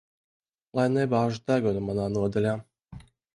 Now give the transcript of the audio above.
Lai nebāž degunu manā nodaļā.